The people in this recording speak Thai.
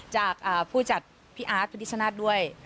จากผู้จัดพี่อาร์ตพิดิชนาธิ์ด้วย